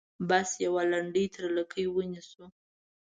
بس یوه لنډۍ تر لکۍ ونیسو.